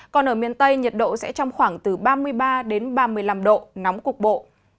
còn ở miền tây nhiệt độ sẽ trong khoảng từ ba mươi ba đến ba mươi năm độ nóng cục bộ